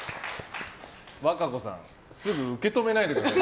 和歌子さんすぐ受け止めないでください。